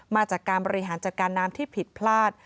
มาจากการบริหารจัดการน้ำที่ผิดพลาด